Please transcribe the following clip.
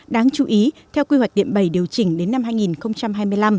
đáng chú ý theo quy hoạch điện bảy điều chỉnh đến năm hai nghìn hai mươi năm